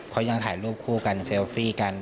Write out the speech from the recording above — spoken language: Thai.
เขายังถ่ายรูปคู่กันเซลฟี่กัน